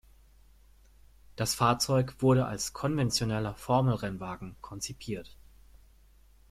Das Fahrzeug wurde als konventioneller Formel-Rennwagen konzipiert.